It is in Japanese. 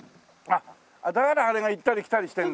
だからあれが行ったり来たりしてるんだ。